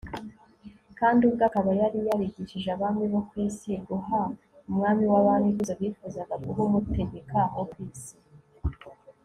kandi ubwe akaba yari yarigishije abami bo ku isi guha umwami w'abami ikuzo bifuzaga guha umutegeka wo ku isi